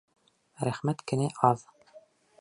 Рәхмәт кенә аҙ.